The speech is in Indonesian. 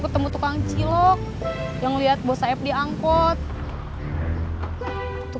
pertama waktu aku operasi sama bos sae width algunos orang tahu